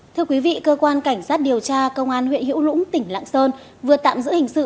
thưa quý vị cơ quan cảnh sát điều tra công an huyện hữu lũng tỉnh lạng sơn vừa tạm giữ hình sự